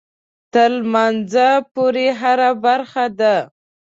تر لمانځه پورې هره برخه ده.